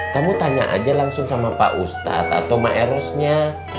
kamu tanya aja langsung sama pak ustadz atau maerosnya